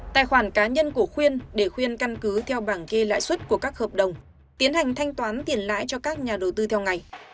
tài khoản cá nhân của khuyên để khuyên căn cứ theo bảng ghi lãi suất của các hợp đồng tiến hành thanh toán tiền lãi cho các nhà đầu tư theo ngày